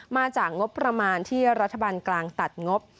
มาจากงบประมาณที่รัฐบาลกลางตัดงบ